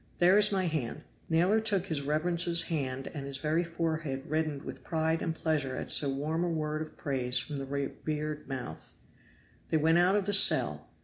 There is my hand!" Naylor took his reverence's hand and his very forehead reddened with pride and pleasure at so warm a word of praise from the revered mouth. They went out of the cell.